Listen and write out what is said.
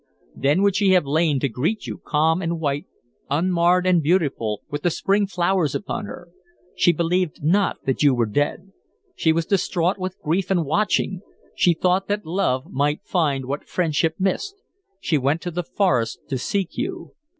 Then would she have lain to greet you, calm and white, unmarred and beautiful, with the spring flowers upon her.... She believed not that you were dead; she was distraught with grief and watching; she thought that love might find what friendship missed; she went to the forest to seek you.